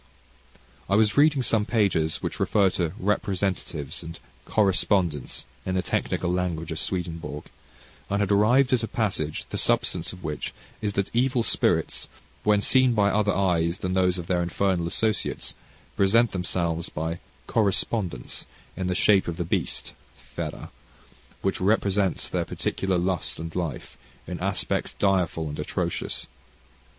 I was reading some pages which refer to "representatives" and "correspondents," in the technical language of Swedenborg, and had arrived at a passage, the substance of which is, that evil spirits, when seen by other eyes than those of their infernal associates, present themselves, by "correspondence," in the shape of the beast (fera) which represents their particular lust and life, in aspect direful and atrocious.